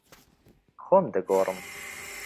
خۆم دەگۆڕم.